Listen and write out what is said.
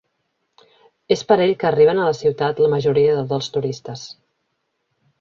És per ell que arriben a la ciutat la majoria dels turistes.